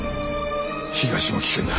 東も危険だ。